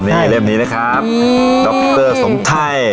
นี่เล่มนี้นะครับโดปเตอร์สมไทย